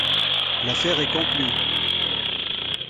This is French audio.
L'affaire est conclue.